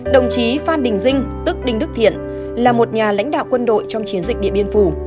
đồng chí phan đình dinh tức đinh đức thiện là một nhà lãnh đạo quân đội trong chiến dịch điện biên phủ